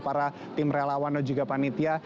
para tim relawan dan juga panitia